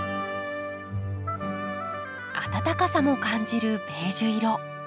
温かさも感じるベージュ色。